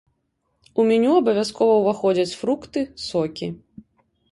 У меню абавязкова ўваходзяць фрукты, сокі.